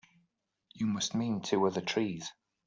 You must mean two other trees.